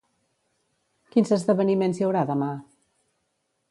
Quins esdeveniments hi haurà demà?